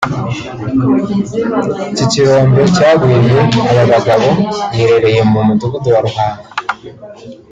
Iki kirombe cyagwiriye aba bagabo giherereye mu Mudugudu wa Ruhanga